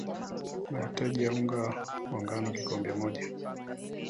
Matahitaji ya unga wa ngano kikombe moja